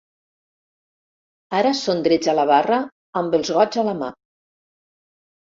Ara són drets a la barra, amb els gots a la mà.